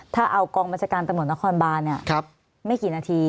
ถ้าเอากองบัญชาการตำรวจนครบานไม่กี่นาที